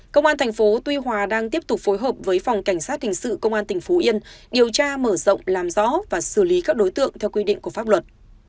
công an thành phố tuy hòa đang tiếp tục phối hợp với phòng cảnh sát hình sự công an tỉnh phú yên điều tra mở rộng làm rõ và xử lý các đối tượng theo quy định của pháp luật